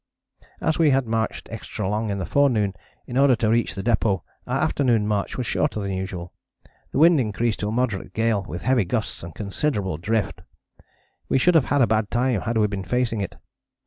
"As we had marched extra long in the forenoon in order to reach the depôt, our afternoon march was shorter than usual. The wind increased to a moderate gale with heavy gusts and considerable drift. We should have had a bad time had we been facing it.